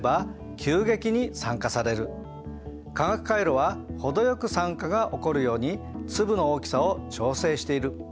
化学カイロは程よく酸化が起こるように粒の大きさを調整している。